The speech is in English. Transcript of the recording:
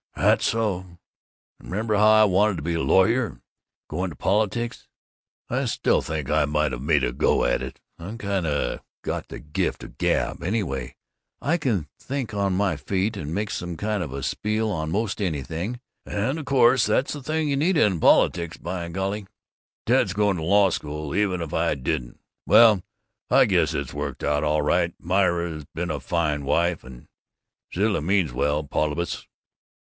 "That's so. And remember how I wanted to be a lawyer and go into politics? I still think I might have made a go of it. I've kind of got the gift of the gab anyway, I can think on my feet, and make some kind of a spiel on most anything, and of course that's the thing you need in politics. By golly, Ted's going to law school, even if I didn't! Well I guess it's worked out all right. Myra's been a fine wife. And Zilla means well, Paulibus."